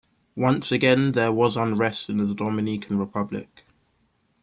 Once again there was unrest in the Dominican Republic.